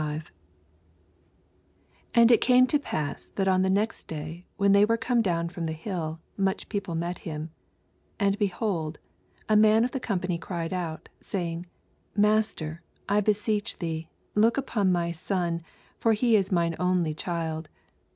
87 And it came tc pass, that on thi aext day, when the^ were come down from the hill, mncli people met him. 38 And behold, a man of the com pany cried out, saying. Master, I beseech thee, look upon my son ; for he is mine only child.